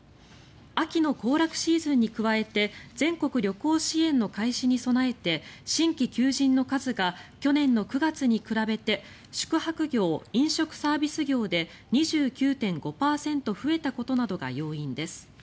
秋の行楽シーズンに加えて全国旅行支援の開始に備えて新規求人の数が去年の９月に比べて宿泊業・飲食サービス業で２９．５％増えたことなどが要因です。